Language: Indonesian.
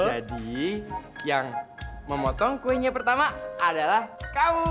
jadi yang memotong kuenya pertama adalah kamu